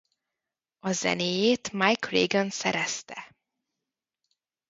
A zenéjét Mike Reagan szerezte.